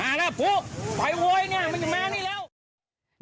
มาแล้วผู้ไฟเว้ยเนี่ยมันจะมานี่แล้ว